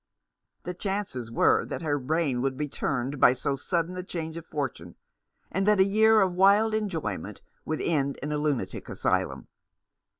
The chances were that her brain would be turned by so sudden a change of fortune, and that a year of wild en joyment would end in a lunatic asylum.